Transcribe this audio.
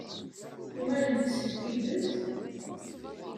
Tuɣalem-d seg Tibet?